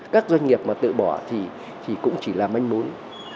các doanh nghiệp mà tự bỏ thì cũng chỉ là manh muốn